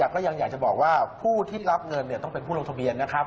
แต่ก็ยังอยากจะบอกว่าผู้ที่รับเงินต้องเป็นผู้ลงทะเบียนนะครับ